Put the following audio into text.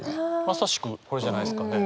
まさしくこれじゃないですかね。